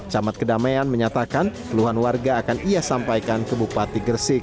camat kedamaian menyatakan peluhan warga akan ia sampaikan ke bukit